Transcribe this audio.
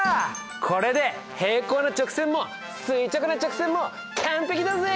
これで平行な直線も垂直な直線も完璧だぜ！